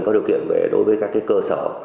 có điều kiện đối với các cơ sở